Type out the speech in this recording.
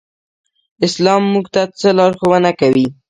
اسلام موږ ته څه لارښوونه کوي؟